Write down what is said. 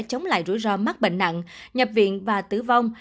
chống lại rủi ro mắc bệnh nặng nhập viện và tử vong